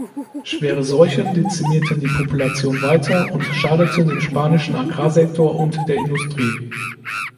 Schwere Seuchen dezimierten die Population weiter und schadeten dem spanischen Agrarsektor und der Industrie.